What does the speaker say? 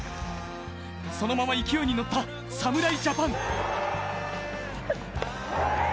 そのまま勢いに乗った侍ジャパン。